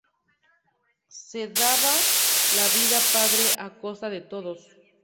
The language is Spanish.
Se daba la vida padre a costa de todos.